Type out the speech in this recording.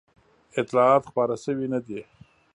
اطلاعات خپاره شوي نه دي.